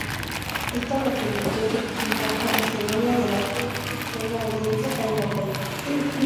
Esto le permitió representar a Macedonia delante una audiencia europea.